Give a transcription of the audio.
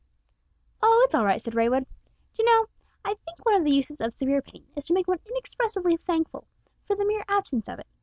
"Oh, it's all right," said Raywood. "D'you know, I think one of the uses of severe pain is to make one inexpressibly thankful for the mere absence of it.